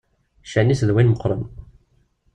Ccan-is d win meqqren.